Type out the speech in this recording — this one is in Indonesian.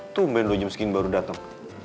tumben lo jam segini baru dateng